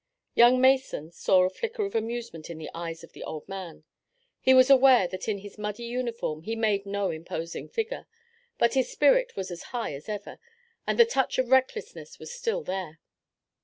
Young Mason saw a flicker of amusement in the eyes of the old man. He was aware that in his muddy uniform he made no imposing figure, but his spirit was as high as ever, and the touch of recklessness was still there.